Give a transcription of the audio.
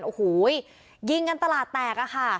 โอ้โหยิงกันตลาดแตกอะค่ะ